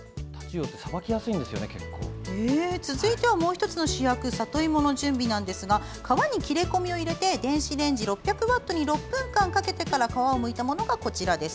続いては、もう１つの主役さといもの準備ですが皮に切れ込みを入れて電子レンジ６００ワットに６分間かけてから皮をむいたものが、こちらです。